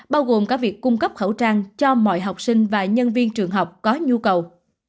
bao gồm cả việc cung cấp khẩu trang cho mọi học sinh và nhân viên trường học có nhu cầu